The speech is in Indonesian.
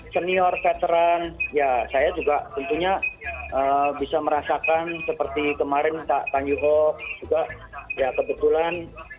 senior veteran ya saya juga tentunya bisa merasakan seperti kemarin pak tanjuhok juga ya kebetulan